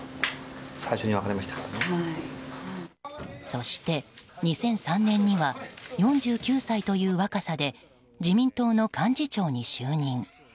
そして、２００３年には４９歳という若さで自民党の幹事長に就任。